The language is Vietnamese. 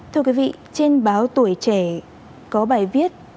thưa quý vị trên báo tuổi trẻ có bài viết